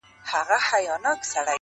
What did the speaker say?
نوريې دلته روزي و ختمه سوې،